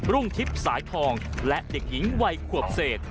รุ่งทิพย์สายทองและเด็กหญิงวัยขวบเศษ